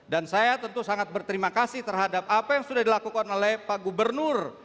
dan saya tentu sangat berterima kasih terhadap apa yang sudah dilakukan oleh pak gubernur